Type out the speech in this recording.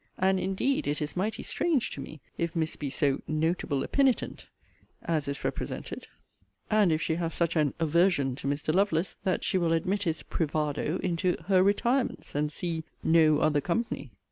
And, indeed, it is mighty strange to me, if Miss be so 'notable a penitent' (as is represented) and if she have such an 'aversion' to Mr. Lovelace, that she will admit his 'privado' into 'her retirements,' and see 'no other company.'